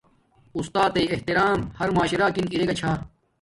اُستاتݵ احترام ہر معاشرکن ارگا چھا